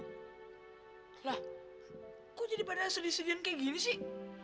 lah kok jadi pada sedih sedihin kayak gini sih